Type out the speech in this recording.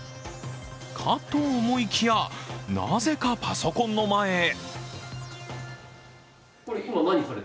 かと思いきや、なぜかパソコンの前へ。